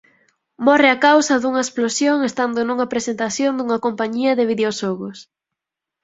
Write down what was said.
Morre a causa dunha explosión estando nunha presentación dunha compañía de videoxogos.